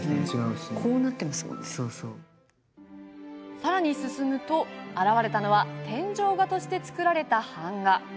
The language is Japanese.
さらに進むと、現れたのは天井画として作られた版画。